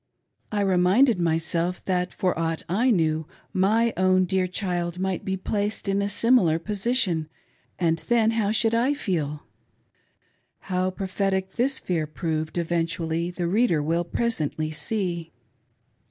I reminded myself that, for aught I knew, my own dear child might be placed in a similar position ; and then how should I feel ? How prophetic this fear proved eventually, the reader will presently see.